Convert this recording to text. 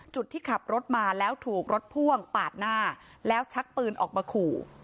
ที่ขับรถมาแล้วถูกรถพ่วงปาดหน้าแล้วชักปืนออกมาขู่